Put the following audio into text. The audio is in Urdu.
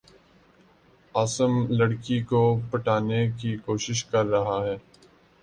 عاصم لڑ کی کو پٹانے کی کو شش کر رہا ہے